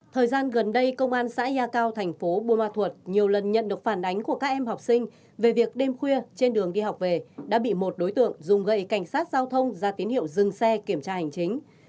thời gian gần đây công an xã ya cao thành phố buôn ma thuột nhiều lần nhận được phản ánh của các em học sinh về việc đêm khuya trên đường đi học về đã bị một đối tượng dùng gậy cảnh sát giao thông ra tín hiệu dừng xe kiểm tra hành chính